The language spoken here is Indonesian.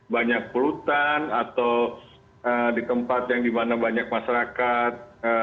banyak pelutan atau di tempat yang dimana banyak masyarakat